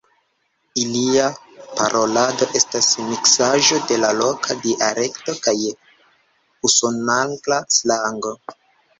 Ilia parolado estas miksaĵo de loka dialekto kaj usonangla slango.